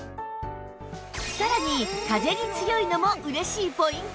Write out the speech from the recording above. さらに風に強いのも嬉しいポイント